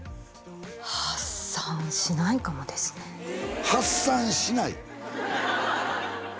発散しないかもですね発散しない？